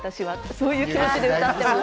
そういう気持ちで歌っています。